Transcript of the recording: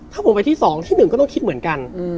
ถ้าผมไปที่๒ที่๑ก็ต้องคิดเหมือนกัน